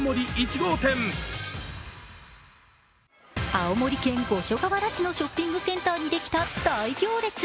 青森県五所川原市のショッピングセンターにできた大行列。